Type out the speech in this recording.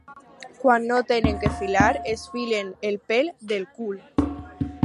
Quan no tenen què filar, es filen el pèl del cul.